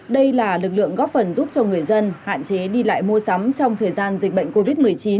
đây là lực lượng góp phần giúp cho người dân hạn chế đi lại mua sắm trong thời gian này